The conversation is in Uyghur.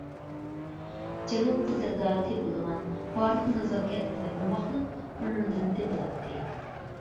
جەنۇب قىزلىرىدا تېپىلىدىغان بارلىق نازاكەت ۋە ئوماقلىق ئۇنىڭدىن تېپىلاتتى.